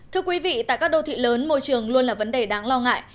thưa quý vị tại các đô thị lớn môi trường luôn là vấn đề đáng lo ngại